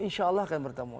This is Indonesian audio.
insya allah akan bertemu